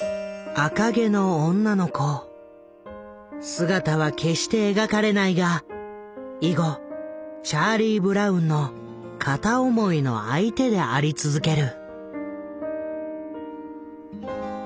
姿は決して描かれないが以後チャーリー・ブラウンの片思いの相手であり続ける。